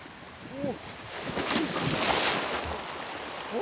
お！